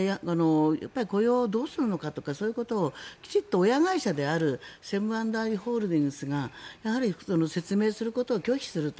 雇用をどうするのかとかそういうことをきちんと親会社であるセブン＆アイ・ホールディングスが説明することを拒否すると。